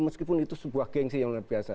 meskipun itu sebuah gengsi yang luar biasa